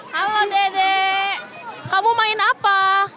halo dedek kamu main apa